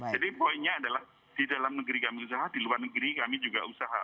jadi poinnya adalah di dalam negeri kami usaha di luar negeri kami juga usaha